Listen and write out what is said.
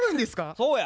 そうや。